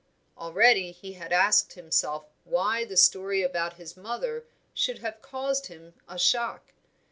Already he had asked himself why the story about his mother should have caused him a shock.